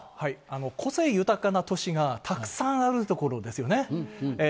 個性豊かな都市がたくさんあるところですよね。